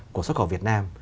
của xuất khẩu việt nam